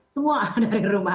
semua dari rumah